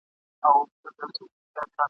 که ژړل دي په سرو سترګو نو یوازي وایه ساندي !.